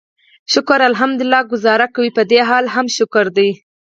شکر الحمدلله ګوزاره کوي، پدې حال هم شکر دی.